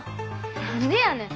何でやねん！